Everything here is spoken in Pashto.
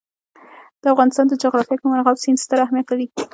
د افغانستان جغرافیه کې مورغاب سیند ستر اهمیت لري.